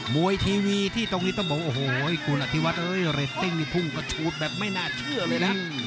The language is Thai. มวยทีวีที่ตรงนี้ต้องบอกโอ้โหคุณอธิวัตรเรตติ้งนี่พุ่งกระชูดแบบไม่น่าเชื่อเลยนะ